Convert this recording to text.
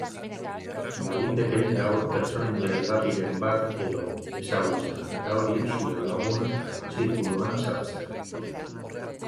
Baliteke gaur pertsona interesgarriren bat edo ezagutzea eta hori zure lagun zirkuluan sartzea.